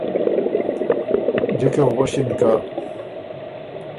جکه بو غؤݭِن که